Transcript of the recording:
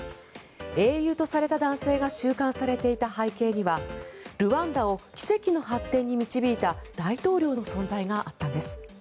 英雄とされた男性が収監されていた背景にはルワンダを奇跡の発展に導いた大統領の存在があったんです。